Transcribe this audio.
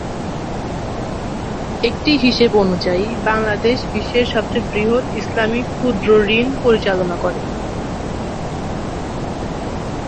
একটি হিসেব অনুযায়ী, বাংলাদেশ বিশ্বের সবচেয়ে বৃহৎ ইসলামি ক্ষুদ্রঋণ পরিচালনা করে।